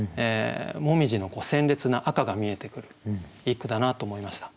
紅葉の鮮烈な赤が見えてくるいい句だなと思いました。